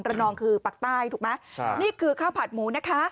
นองคือปากใต้ถูกไหมครับนี่คือข้าวผัดหมูนะคะ